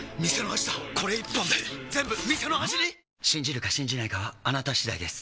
信じるか信じないかはあなた次第です